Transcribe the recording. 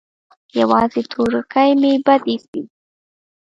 يوازې تورکى مې بد اېسېد.